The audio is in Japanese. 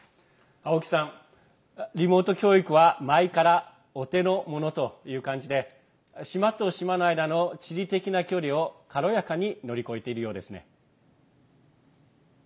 青木さん、リモート教育は前から、お手のものという感じで島と島の間の地理的な距離を軽やかに乗り越えているようですね。